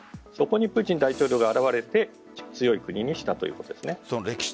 そこにプーチン大統領が現れて強い国にしたということです。